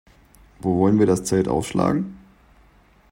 Wo wollen wir das Zelt aufschlagen?